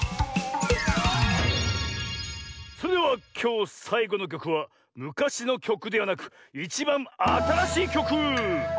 それではきょうさいごのきょくはむかしのきょくではなくいちばんあたらしいきょく！